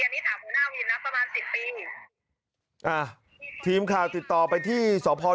อันนี้ถามหัวหน้าวินนะประมาณสิบปีอ่าทีมข่าวติดต่อไปที่สพ